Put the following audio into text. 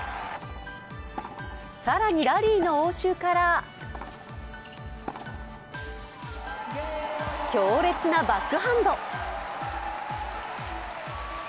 更にラリーの応酬から強烈なバックハンド。